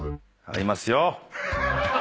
ありますよ。